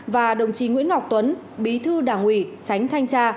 và đồng chí nguyễn ngọc tuấn bí thư đảng ủy tránh thanh tra